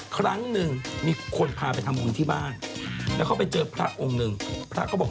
ก็ถ้าคนเรามีเงินไปหาหมอทุบมันก็ได้หมดเหรอวะ